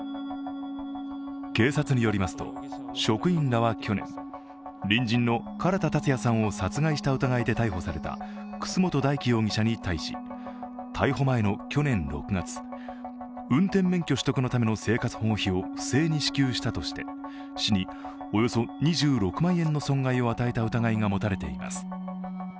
警視庁によりますと職員らは去年、隣人の唐田健也さんを殺害した疑いで逮捕された楠本大樹容疑者に対し逮捕前の去年６月、運転免許取得のための生活保護費を不正に支給したとして、市におよそ２６万円の損害を与えた疑いが持たれています。